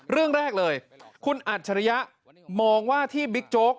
เรื่องแรกเลยคุณอัจฉริยะมองว่าที่บิ๊กโจ๊ก